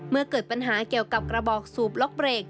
เมื่อเกิดปัญหาเกี่ยวกับกระบอกสูบล็อกเบรก